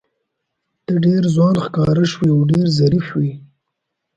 ته ډېر ځوان ښکاره شوې او ډېر ظریف وې.